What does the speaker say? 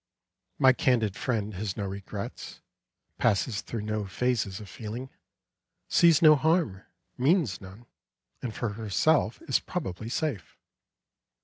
My candid friend has no regrets, passes through no phases of feeling, sees no harm, means none, and for herself is probably safe.